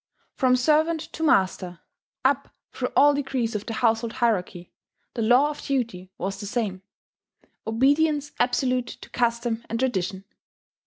From servant to master up through all degrees of the household hierarchy the law of duty was the same: obedience absolute to custom and tradition.